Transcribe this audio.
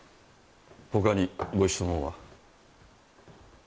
他にご質問は？